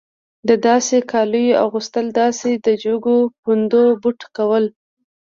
د داسې کالیو اغوستل داسې د جګو پوندو بوټ کول.